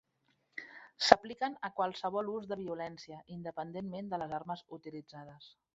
S'apliquen a qualsevol ús de violència, independentment de les armes utilitzades.